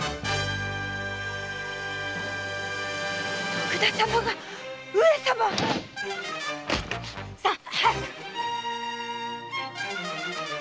徳田様が上様⁉さあ早く！